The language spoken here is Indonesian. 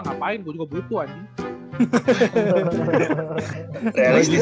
ngapain gue juga butuh anjir